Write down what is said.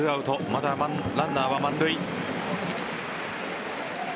まだランナーは満塁。